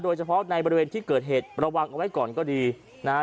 โดยเฉพาะในบริเวณที่เกิดเหตุระวังเอาไว้ก่อนก็ดีนะฮะ